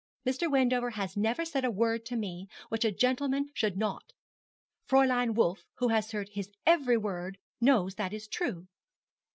Mr. Wendover has never said a word to me which a gentleman should not say. Fräulein Wolf, who has heard his every word, knows that this is true.'